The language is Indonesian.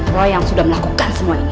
bahwa yang sudah melakukan semua ini